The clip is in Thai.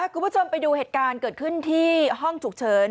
คุณผู้ชมไปดูเหตุการณ์เกิดขึ้นที่ห้องฉุกเฉิน